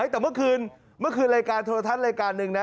แต่เมื่อคืนเมื่อคืนรายการโทรทัศน์รายการหนึ่งนะ